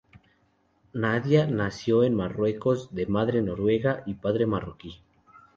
Nadia nació en Marruecos de madre noruega y padre marroquí.